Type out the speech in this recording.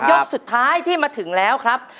ยกสุดท้ายที่มาถึงแล้วครับ